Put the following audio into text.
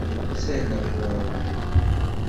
Ssardeɣ iḍarren-iw.